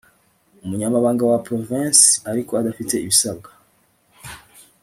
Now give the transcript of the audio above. umunyamabanga wa provensi ariko adafite ibisabwa